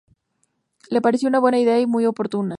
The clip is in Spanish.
Le pareció una buena idea y muy oportuna.